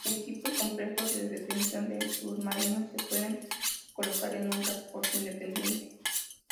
Equipos complejos de detección de submarinos se pueden colocar en un transporte independiente.